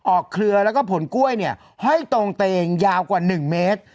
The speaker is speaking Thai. เครือแล้วก็ผลกล้วยเนี่ยห้อยตรงเตงยาวกว่า๑เมตร